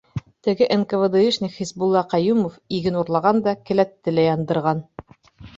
— Теге НКВД-шник Хисбулла Ҡәйүмов, иген урлаған да, келәтте лә яндырған.